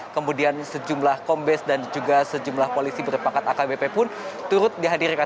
kemudian sejumlah kombes dan juga sejumlah polisi berpangkat akbp pun turut dihadirkan